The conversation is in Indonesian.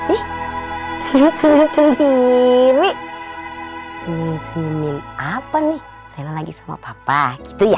ini senyum senyum ini senyum senyum apa nih saya lagi sama papa gitu ya